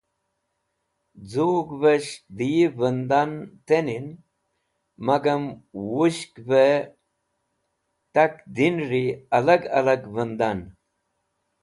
Z̃ughvẽs̃h dẽ yi vẽndan tẽnin magam wushkẽvẽ takdinri alag alag vẽndan.